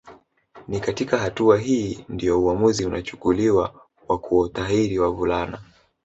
Ni katika hatua hii ndio uamuzi unachukuliwa wa kutahiri wavulana